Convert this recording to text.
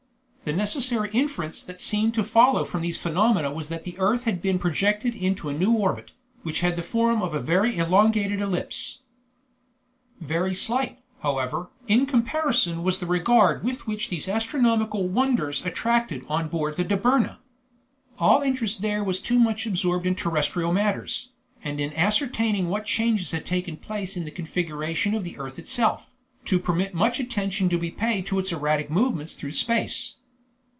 The necessary inference that seemed to follow from these phenomena was that the earth had been projected into a new orbit, which had the form of a very elongated ellipse. Very slight, however, in comparison was the regard which these astronomical wonders attracted on board the Dobryna. All interest there was too much absorbed in terrestrial matters, and in ascertaining what changes had taken place in the configuration of the earth itself, to permit much attention to be paid to its erratic movements through space.